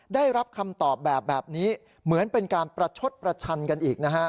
ได้รับคำตอบแบบนี้เหมือนเป็นการประชดประชันกันอีกนะฮะ